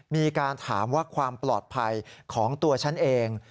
มีการถามว่าความปลอดภัยของตัวฉันเอง